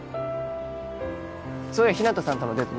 そういや日向さんとのデート